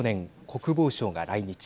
国防相が来日。